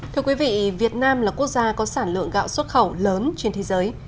thưa quý vị việt nam là quốc gia có sản lượng gạo xuất khẩu lớn trên thế giới